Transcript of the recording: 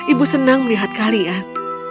ibu senang melihat kalian